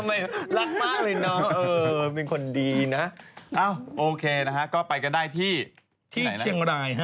เอาโอเคนะครับก็ไปกันได้ที่ที่เชียงรายครับ